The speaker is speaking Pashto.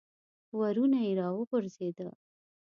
ورونه یې را وغورځېده.